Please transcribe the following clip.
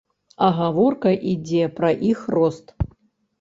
А гаворка ідзе пра іх рост!